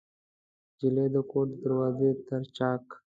نجلۍ د کور د دروازې تر چاک